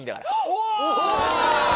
お！